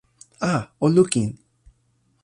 a! o lukin!